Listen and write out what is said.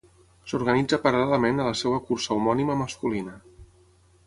S'organitza paral·lelament a la seva cursa homònima masculina.